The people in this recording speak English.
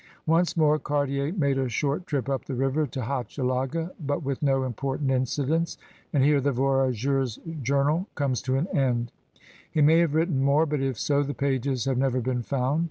Once more Cartier made a short trip up the river to Hoche laga, but with no important incidents, and here the voyageur's journal comes to an end. He may have written more, but if so the pages have never been found.